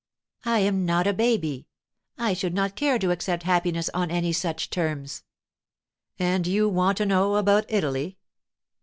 'I am not a baby. I should not care to accept happiness on any such terms.' 'And you want to know about Italy?